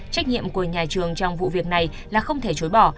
trách nhiệm của nhà trường trong vụ việc này là không thể chối bỏ